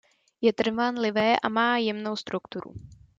Je trvanlivé a má jemnou strukturu.